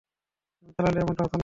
আমি চালালে এমনটা হতো না।